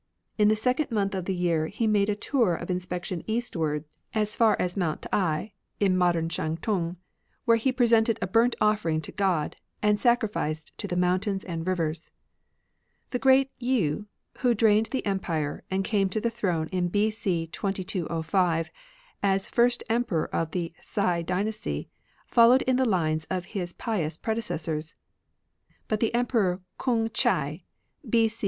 ... In the second month of the year, he made a tour of inspection eastwards, as far as Mount T'ai (in 9 RELIGIONS OF ANCIENT CHINA modem Shantung), where he presented a burnt offering to God, and sacrificed to the Mountains and Rivers." Q^ The Great Yii, who drained the punishes empire, and came to the throne in B.C. tnd wickdd and rewards 2205 as first Emperor of the Hsia the good, dynasty, followed in the lines of his pious predecessors. But the Emperor K'ung Chia, B.C.